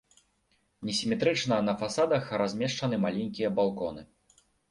Несіметрычна на фасадах размешчаны маленькія балконы.